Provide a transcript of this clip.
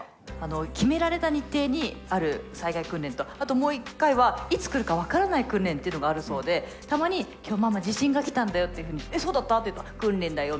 決められた日程にある災害訓練とあともう一回はいつ来るか分からない訓練というのがあるそうでたまに「今日ママ地震が来たんだよ」っていうふうに「えっそうだった？」って言うと「訓練だよ」みたいな。